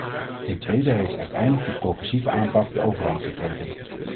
Ten tweede heeft uiteindelijk de progressieve aanpak de overhand gekregen.